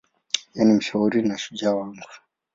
Yeye ni mshauri na shujaa wangu.